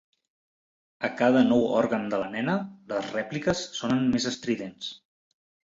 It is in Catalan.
A cada nou òrgan de la nena, les rèpliques sonen més estridents.